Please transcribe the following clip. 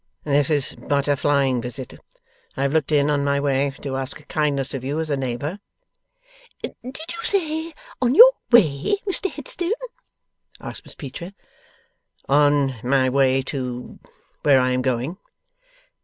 'This is but a flying visit. I have looked in, on my way, to ask a kindness of you as a neighbour.' 'Did you say on your way, Mr Headstone?' asked Miss Peecher. 'On my way to where I am going.